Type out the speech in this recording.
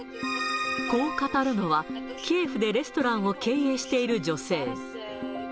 こう語るのは、キエフでレストランを経営している女性。